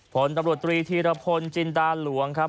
ผลตำรวจตรีธีรพลจินดาหลวงครับ